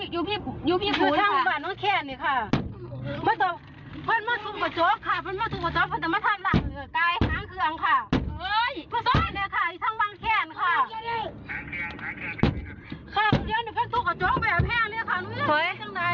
อยู่ตรงรถค่ะอยู่ตรงมาบันละเขียนค่ะตรงไว้นู่นเนี่ย